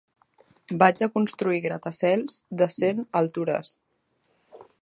Vaig a construir gratacels de cent altures.